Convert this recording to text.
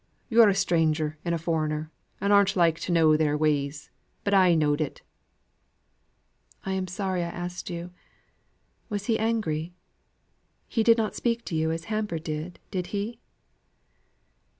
Yo'r a stranger and a foreigner, and aren't likely to know their ways; but I knowed it." "I am sorry I asked you. Was he angry? He did not speak to you as Hamper did, did he?"